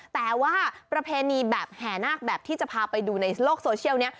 แต่ว่าประเพณีแบบแห่นาคแบบที่จะพาไปดูในโลกโซเชียลนี้